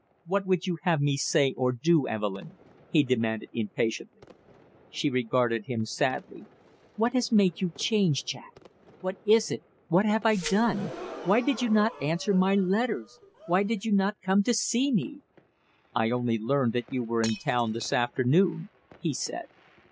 "What would you have me say or do, Evelyn?" he demanded impatiently. She regarded him sadly. "What has made you change, Jack? What is it; what have I done? Why did you not answer my letters? Why did you not come to see me?" "I only learned that you were in town this afternoon," he said.